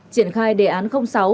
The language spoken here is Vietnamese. triển khai đề án sáu